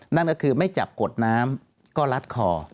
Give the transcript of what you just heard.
นั่นก็คือไม่จับกดน้ำก็ลัดคอ